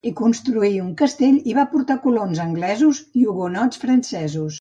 Hi construí un castell i va portar colons anglesos i hugonots francesos.